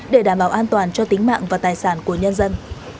để đảm bảo an toàn cho tính mạng và tài sản của nhân dân